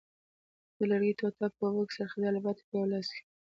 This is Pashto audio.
د لرګي ټوټه په اوبو کې څرخېدل، البته په یوه لاس.